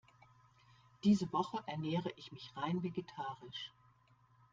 Diese Woche ernähre ich mich rein vegetarisch.